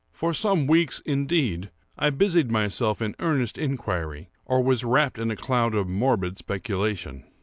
For some weeks, indeed, I busied myself in earnest inquiry, or was wrapped in a cloud of morbid speculation.